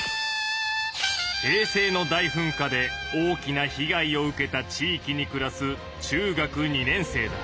平成の大噴火で大きな被害を受けた地域にくらす中学２年生だ。